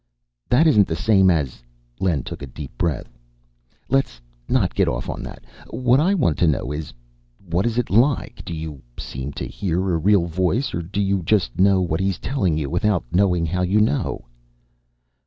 "That isn't the same as " Len took a deep breath. "Let's not get off on that. What I want to know is, what is it like? Do you seem to hear a real voice, or do you just know what he's telling you, without knowing how you know?"